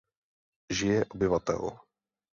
Žije obyvatel.